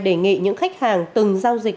đề nghị những khách hàng từng giao dịch